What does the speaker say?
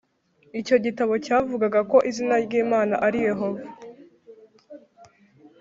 Icyo gitabo cyavugaga ko izina ry Imana ari Yehova